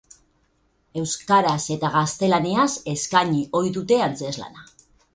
Euskaraz eta gaztelaniaz eskaini ohi dute antzezlana.